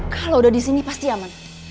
kalau udah disini pasti aman